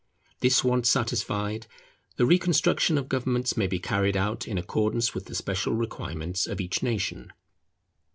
This want satisfied, the reconstruction of governments may be carried out in accordance with the special requirements of each nation.